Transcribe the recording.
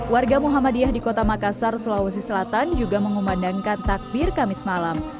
warga muhammadiyah di kota makassar sulawesi selatan juga mengumandangkan takbir kamis malam